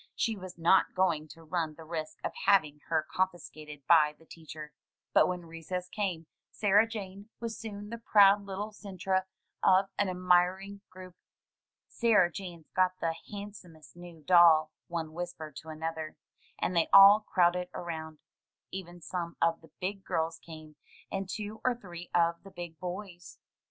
She was not going to run the risk of having her confiscated by the teacher. But when recess came Sarah Jane was soon the proud little centre of an admiring group. "Sarah Jane's got the handsomest new doll," one whispered to another, and they all crowded around. Even some of the "big girls" came, and two or three of the big boys.